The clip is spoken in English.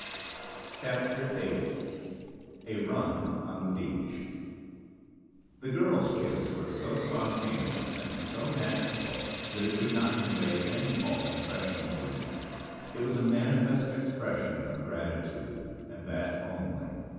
CHAPTER VIII A RUN ON THE BEACH The girl's kiss was so spontaneous and so natural that it could not convey any false impression to me. It was a manifest expression of gratitude, and that only.